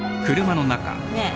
ねえ？